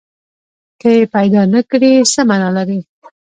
که یې پیدا نه کړي، څه معنی لري؟